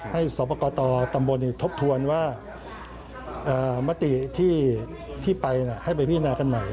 สอบประกอบตำบลทบทวนว่ามติที่ไปให้ไปพิจารณากันใหม่